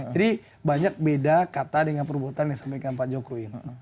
jadi banyak beda kata dengan perbuatan yang disampaikan pak jokowi